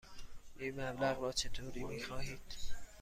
این مبلغ را چطوری می خواهید؟